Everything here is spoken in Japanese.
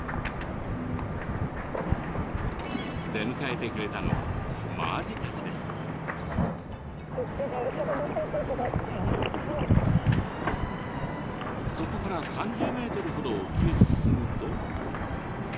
出迎えてくれたのはそこから３０ｍほど沖へ進むと。